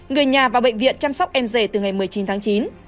người nhà vào bệnh viện chăm sóc em rể từ ngày một mươi chín tháng chín